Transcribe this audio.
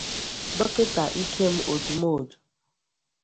Dọkịta Ikem Odumodu